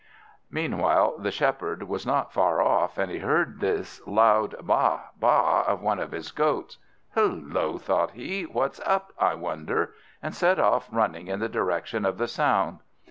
Meanwhile the Shepherd was not far off, and he heard this loud Baa baa of one of his goats. "Hullo," thought he, "what's up, I wonder?" and set off running in the direction of the sound.